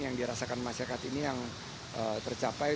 yang dirasakan masyarakat ini yang tercapai